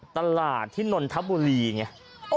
ตลาดที่นณพบุรีเนี่ย